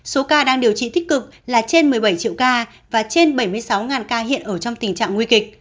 số ca đang điều trị tích cực là trên một mươi bảy triệu ca và trên bảy mươi sáu ca hiện ở trong tình trạng nguy kịch